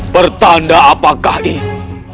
bertanda apakah ini